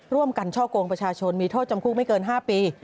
ร่วมกันช่อกงประชาชนมีโทษจำคุกไม่เกิน๕ปี